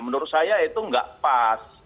menurut saya itu nggak pas